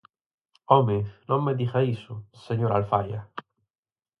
¡Home, non me diga iso, señora Alfaia!